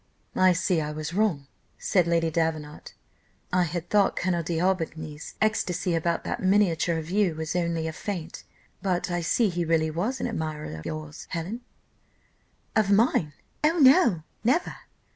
"I see I was wrong," said Lady Davenant; "I had thought Colonel D'Aubigny's ecstasy about that miniature of you was only a feint; but I see he really was an admirer of yours, Helen?" "Of mine! oh no, never!"